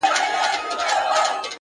• غلی غلی را روان تر منځ د ژرګو ,